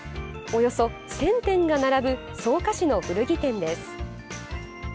およそ１０００点が並ぶ草加市の古着店です。